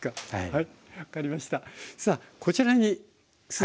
はい。